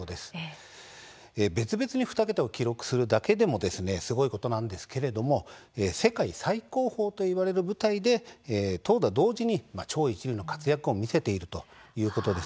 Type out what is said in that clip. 別々に２桁を記録するだけでもすごいことなんですけれども世界最高峰といわれる舞台で投打同時に超一流の活躍を見せているということです。